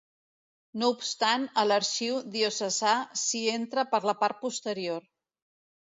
No obstant a l'Arxiu Diocesà s'hi entra per la part posterior.